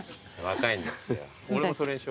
若いんですよ。